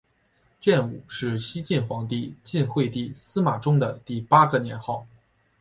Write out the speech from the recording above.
建武是西晋皇帝晋惠帝司马衷的第八个年号。